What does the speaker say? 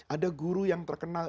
ada guru yang terkenal